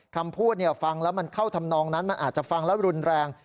คำพูดฟังแล้วมันเข้าทำนองนั้นมันอาจจะฟังแล้วรุนแรง